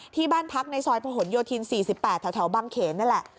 ที่บ้านพักในซอยผนโยธิน๔๘แถวบางเขนนั่นแหละ